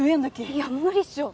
いや無理っしょ。